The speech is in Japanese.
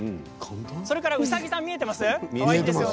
それから、うさぎさん見えていますか？